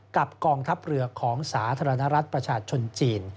กองทัพเรือของสาธารณรัฐประชาชนจีน